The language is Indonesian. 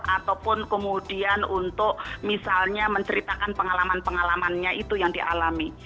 ataupun kemudian untuk misalnya menceritakan pengalaman pengalamannya itu yang dialami